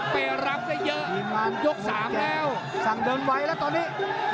ไปรับได้เยอะผ่านยก๓แล้วสั่งเดินไวแล้วตอนนี้